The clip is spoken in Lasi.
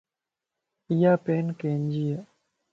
ايا پين ڪينجي ائي